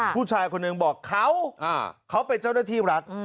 ผู้ชายคนหนึ่งบอกเขาเขาเป็นเจ้าหน้าที่รัฐ